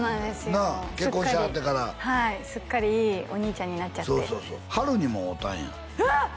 すっかり結婚しはってからはいすっかりいいお兄ちゃんになっちゃってそうそうそうハルにも会うたんやうわ！